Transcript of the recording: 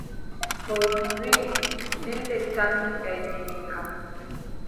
Fowru wii: dile tan ngaymi min kam!